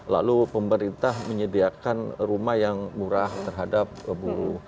lalu pemerintah menyediakan rumah yang murah terhadap buruh